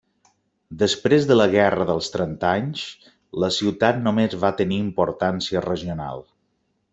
Després de la Guerra dels Trenta Anys la ciutat només va tenir importància regional.